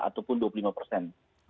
ataupun dua puluh lima persen